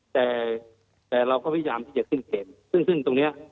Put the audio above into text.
แต่แต่เราก็พยายามที่จะขึ้นเขตซึ่งซึ่งตรงนี้